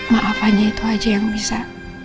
maaf aja itu aja yang bisa